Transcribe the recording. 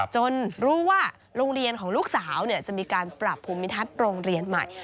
รู้ว่าโรงเรียนของลูกสาวจะมีการปรับภูมิทัศน์โรงเรียนใหม่